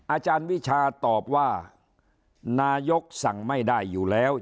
อาจารย์วิชาตอบว่านายกสั่งไม่ได้อยู่แล้ว